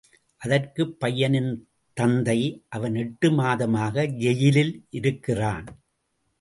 அதற்குப் பையனின் தந்தை அவன் எட்டு மாதமாக ஜெயிலில் இருக்கிறான்.